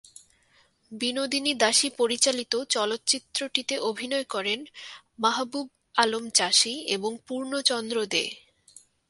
বিনোদিনী দাসী পরিচালিত চলচ্চিত্রটিতে অভিনয় করেন মাহাবুব আলম চাষী এবং পূর্ণচন্দ্র দে।